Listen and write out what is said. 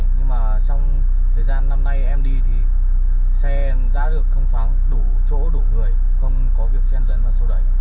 nhưng mà trong thời gian năm nay em đi thì xe đã được không thoáng đủ chỗ đủ người không có việc chen lấn vào sâu đẩy